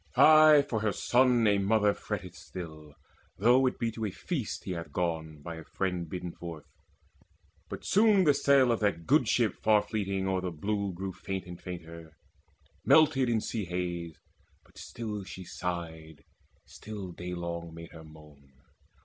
Ay, for her son a mother fretteth still, Though it be to a feast that he hath gone, By a friend bidden forth. But soon the sail Of that good ship far fleeting o'er the blue Grew faint and fainter melted in sea haze. But still she sighed, still daylong made her moan.